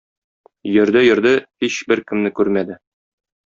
Йөрде-йөрде, һич беркемне күрмәде.